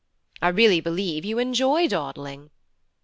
'I really believe you enjoy dawdling.'